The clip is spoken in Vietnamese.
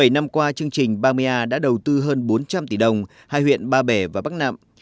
bảy năm qua chương trình ba mươi a đã đầu tư hơn bốn trăm linh tỷ đồng hai huyện ba bể và bắc nạm